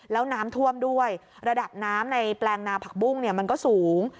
แล้วน้ำท่วมด้วยระดับน้ำในแปลงนาผักบุ้งเนี่ยมันก็สูง